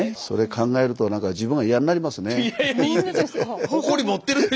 それ考えると何か自分が嫌になりますね。